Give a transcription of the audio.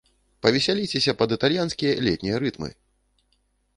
Павесяліцеся пад італьянскія летнія рытмы!